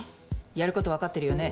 やることわかってるよね？